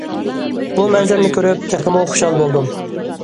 بۇ مەنزىرىنى كۆرۈپ تېخىمۇ خۇشال بولدۇم.